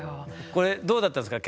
これどうだったですか？